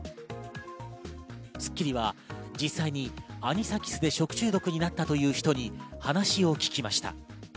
『スッキリ』は実際にアニサキスで食中毒になったという人に話を聞きました。